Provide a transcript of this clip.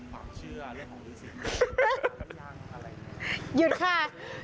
ฟังเชื่อเรื่องของหลือศรีหลือศรีหลือศรีหลือศรีหลือศรีหลือศรี